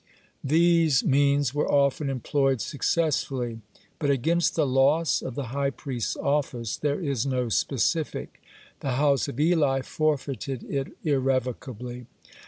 These means were often employed successfully. (29) But against the loss of the high priest's office there is no specific. The house of Eli forfeited it irrevocably.